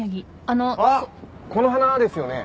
あっこの花ですよね